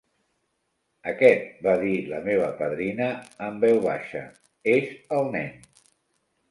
"Aquest", va dir la meva padrina en veu baixa, "és el nen".